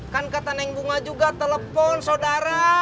kan kata neng bunga juga telepon saudara